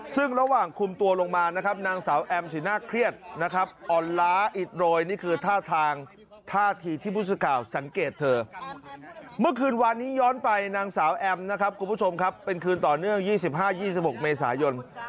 ซึ่งระหว่างคุมตัวลงมานะครับนางสาวแอมสีหน้าเครียดอ่อนล้าอิดรย